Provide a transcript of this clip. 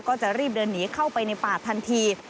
ก็จะรีบเดินหนีเข้าไปในป่าทันที